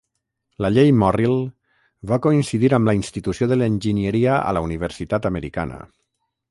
La Llei Morrill va coincidir amb la institució de l'enginyeria a la universitat americana.